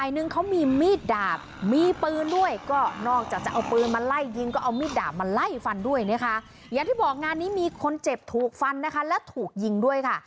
อย่างที่บอกงานนี้มีคนเจ็บถูกฟันนะคะและถูกยิงด้วยค่ะ